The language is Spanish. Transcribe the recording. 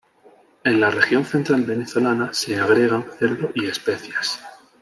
En la región central venezolana se agregan cerdo y especias.